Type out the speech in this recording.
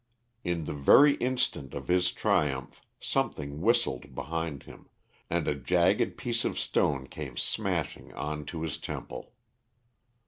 In the very instant of his triumph something whistled behind him, and a jagged piece of stone came smashing on to his temple.